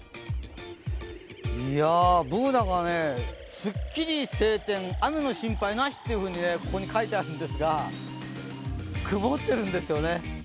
いや、Ｂｏｏｎａがね、スッキリ晴天雨の心配なしってここに書いてるんですが曇ってるんですよね。